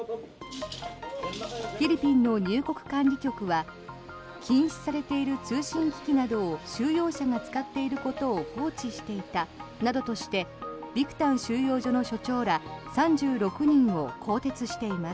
フィリピンの入国管理局は禁止されている通信機器などを収容者が使っていることを放置していたなどとしてビクタン収容所の所長ら３６人を更迭しています。